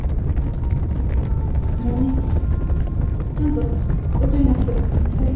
それにちゃんと歌えなくてごめんなさい。